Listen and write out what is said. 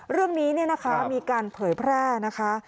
เรื่องนี้เนี่ยนะคะมีการเผยแพร่นะคะ